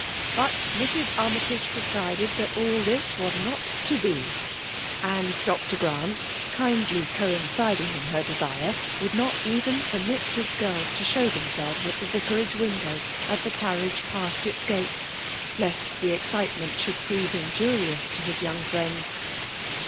But Mrs. Armytage decided that all this was not to be ; and Dr. Grant, kindly coinciding in her desire, would not even permit his girls to show themselves at the Vican^ window as the carriage passed its gates, lest the excitement should prove injurious to his young friend.